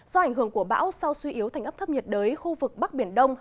do ảnh hưởng của bão sau suy yếu thành ấp thấp nhiệt đới khu vực bắc biển đông